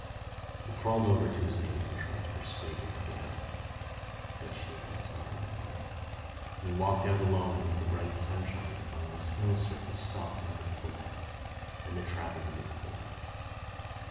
He crawled over to his mate and tried to persuade her to get up. But she only snarled at him, and he walked out alone into the bright sunshine to find the snow surface soft under foot and the travelling difficult.